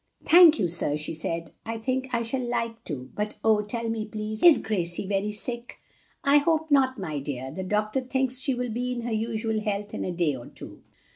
"Thank you, sir," she said, "I think I shall like to. But oh, tell me, please, is Gracie very sick?" "I hope not, my dear; the doctor thinks she will be in her usual health in a day or two."